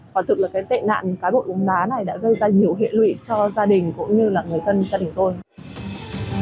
quả thực là cái tệ nạn cá độ bóng đá này đã gây ra nhiều hệ lụy cho gia đình cũng như là người thân gia đình tôi